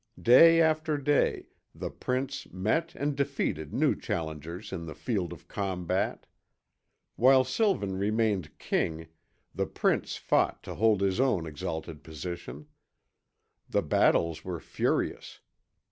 Day after day, the prince met and defeated new challengers in the field of combat. While Sylvan remained king, the prince fought to hold his own exalted position. The battles were furious.